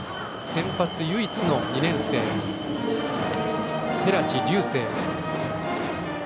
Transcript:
先発唯一の２年生寺地隆成。